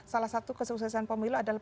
salah satu kesuksesan pemilu adalah